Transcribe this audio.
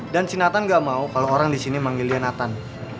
dan si nathan nggak mau kalo orang disini manggil dia nathan